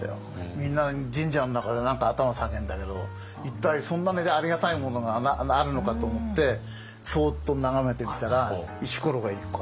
みんな神社の中で何か頭下げんだけど一体そんなありがたいものがあるのかと思ってそうっと眺めてみたら石ころが１個あった。